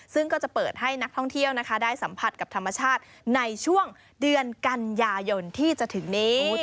ซึ่งก็จะเปิดให้นักท่องเที่ยวนะคะได้สัมผัสกับธรรมชาติในช่วงเดือนกันยายนที่จะถึงนี้